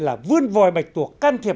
là vươn vòi mạch tuộc can thiệp